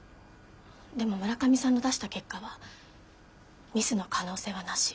でも村上さんの出した結果は「ミスの可能性はなし」。